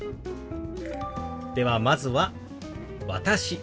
ではまずは「私」。